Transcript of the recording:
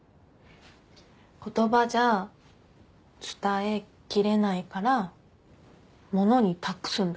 言葉じゃ伝えきれないから物に託すんだって。